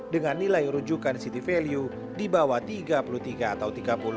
dengan nilai rujukan city value di bawah tiga puluh tiga atau tiga puluh